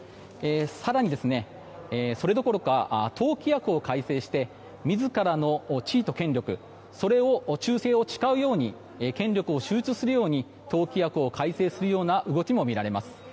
更に、それどころか党規約を改正して自らの地位と権力それを忠誠を誓うように権力を集中するように党規約を改正するような動きも見られます。